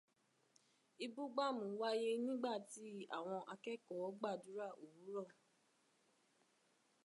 Ibúgbàmù wáyé nígbà tí àwọn akẹ́kọ̀ọ́ gbàdúrà òwúrọ̀.